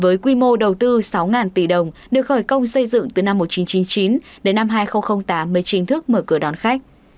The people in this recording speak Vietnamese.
với quy mô đầu tư sáu tỷ đồng được khởi công xây dựng từ năm một nghìn chín trăm chín mươi chín đến năm hai nghìn tám mới chính thức mở cửa đón khách